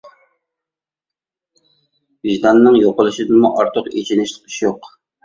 ۋىجداننىڭ يوقىلىشىدىنمۇ ئارتۇق ئېچىنىشلىق ئىش يوق.